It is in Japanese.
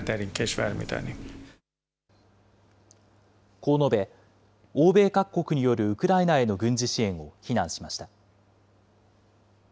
こう述べ、欧米各国によるウクライナへの軍事支援を非難しました。